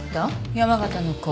山形の子。